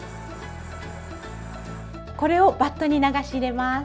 これをバットに流し入れます。